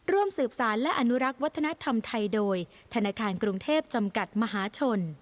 ร่วมสืบสารและอนุรักษ์วัฒนธรรมไทยโดยธนาคารกรุงเทพจำกัดมหาชน